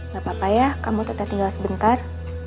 gak apa apa ya kamu tetep tinggal sebentar